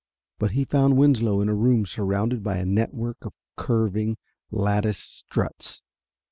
But he found Winslow in a room surrounded by a network of curving, latticed struts.